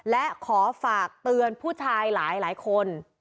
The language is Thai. และขอฝากเตือนผู้ชายหลายคน